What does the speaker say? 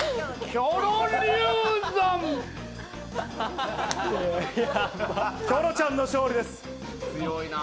キョロちゃんの勝利です。